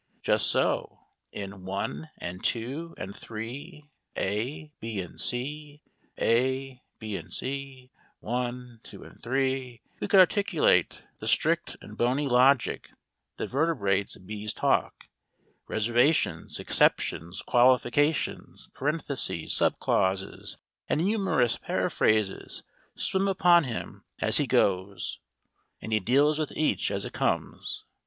Just so, in I and II and III, A. B. and C, ([alpha]), ([beta]), and ([gamma]), i, ii, and iii, we could articulate the strict and bony logic that vertebrates B 's talk. Reservations, exceptions, qualifications, parentheses, sub clauses, and humorous paraphrases swim upon him as he goes, and he deals with each as it comes.